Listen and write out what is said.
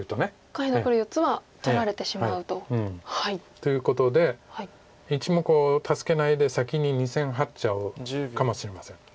下辺の黒４つは取られてしまうと。ということで１目を助けないで先に２線ハッちゃうかもしれません。